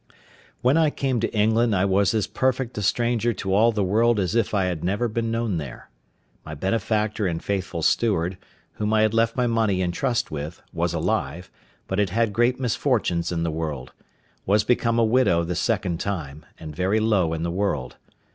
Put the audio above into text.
When I came to England I was as perfect a stranger to all the world as if I had never been known there. My benefactor and faithful steward, whom I had left my money in trust with, was alive, but had had great misfortunes in the world; was become a widow the second time, and very low in the world.